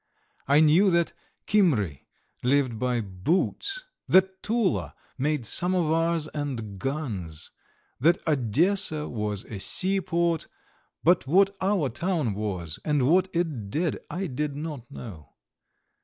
I knew that Kimry lived by boots, that Tula made samovars and guns, that Odessa was a sea port, but what our town was, and what it did, I did not know.